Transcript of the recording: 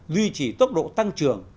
duy trì tốc độ tăng trưởng